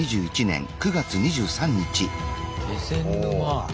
気仙沼。